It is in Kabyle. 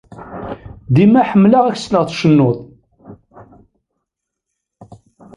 Dima ḥemmleɣ ad ak-sleɣ tcennud.